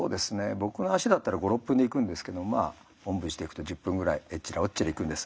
僕の足だったら５６分で行くんですけどおんぶしていくと１０分ぐらいえっちらおっちら行くんです。